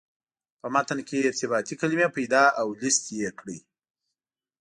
په متن کې ارتباطي کلمې پیدا او لست یې کړئ.